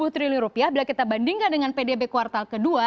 satu ratus dua puluh triliun rupiah bila kita bandingkan dengan pdb kuartal ke dua